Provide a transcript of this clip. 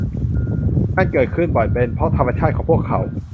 นั่นเกิดขึ้นบ่อยเพราะเป็นธรรมชาติของพวกเขา